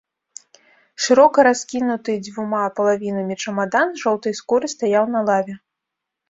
Шырока раскінуты дзвюма палавінамі чамадан з жоўтай скуры стаяў на лаве.